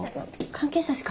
関係者しか。